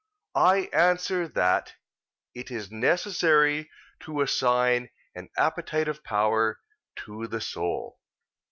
I answer that, It is necessary to assign an appetitive power to the soul.